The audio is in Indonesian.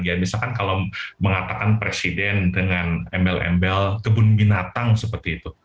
ya misalkan kalau mengatakan presiden dengan embel embel kebun binatang seperti itu